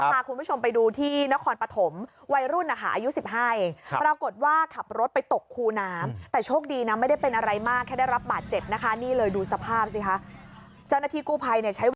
ค่ะคุณผู้ชมไปดูที่นครปฐมวัยรุ่นนะคะ